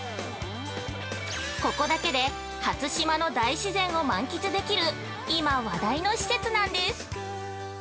ここだけで初島の大自然を満喫できる今話題の施設なんです。